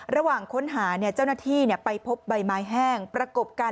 ระหว่างค้นหาเจ้าหน้าที่ไปพบใบไม้แห้งประกบกัน